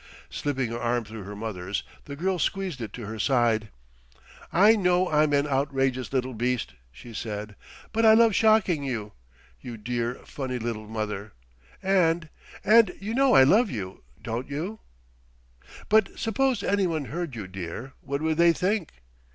Slipping her arm through her mother's, the girl squeezed it to her side. "I know I'm an outrageous little beast," she said, "but I love shocking you, you dear, funny little mother, and and you know I love you, don't you?" "But suppose anyone heard you, dear, what would they think?"